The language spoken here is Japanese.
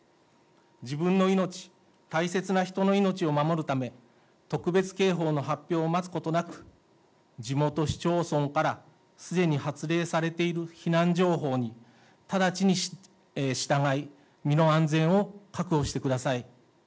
自分の命、大切な人の命を守るため、特別警報の発表を待つことなく、地元市町村からすでに発令されている避難情報に直ちに従い、身の安全を確保してください。